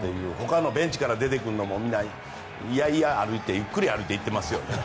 ベンチから出てくるのもいやいや歩いてゆっくり歩いていますね。